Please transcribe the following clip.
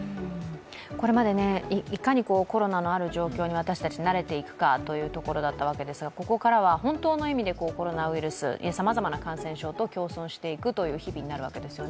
これまでいかにコロナのある状況に私たち慣れていくかというわけでしたがここからは本当の意味でコロナウイルス、さまざまな感染症と共存していくという日々になるわけですよね。